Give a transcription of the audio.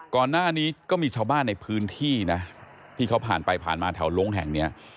ก่อนหน้านี้ก็มีชาวบ้านในพื้นที่นะที่เขาผ่านไปผ่านมาแถวลงแห่งเนี้ย